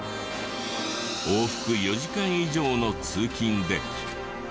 往復４時間以上の通勤で。